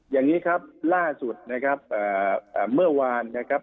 อย่างนี้ครับล่าสุดนะครับเมื่อวานนะครับ